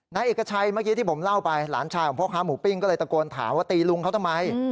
นายเอกชัยเมื่อกี้ที่ผมเล่าไปหลานชายของพ่อค้าหมูปิ้งก็เลยตะโกนถามว่าตีลุงเขาทำไม